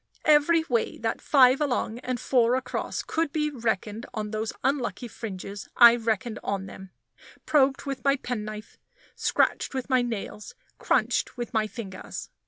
Every way that "5 along" and "4 across" could be reckoned on those unlucky fringes I reckoned on them probed with my penknife scratched with my nails crunched with my fingers.